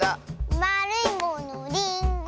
「まるいものリンゴ！」